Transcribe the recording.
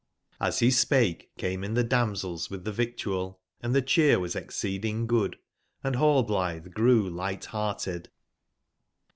Hs he spake came in the damsels with the victual, and the cheer was exceeding good, and Rallbl ithe grew light/hearted.